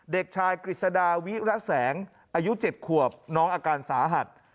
เด็กชายกฤษดาวิระแสงอายุ๗ขวบน้องอาการสาหัส